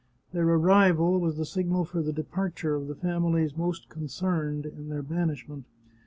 Their arrival was the signal for the departure of the families most concerned in their banishment.